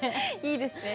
いいですね。